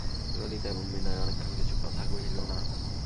ললিতা এবং বিনয়ও অনেকক্ষণ কিছু কথা কহিল না।